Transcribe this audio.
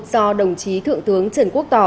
do đồng chí thượng tướng trần quốc tỏ